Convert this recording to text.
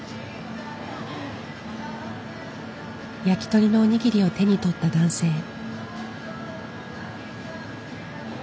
やきとりのおにぎりを手に取った男性。